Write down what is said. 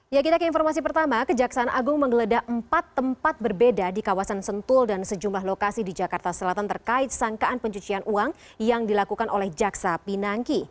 ya kita ke informasi pertama kejaksaan agung menggeledah empat tempat berbeda di kawasan sentul dan sejumlah lokasi di jakarta selatan terkait sangkaan pencucian uang yang dilakukan oleh jaksa pinangki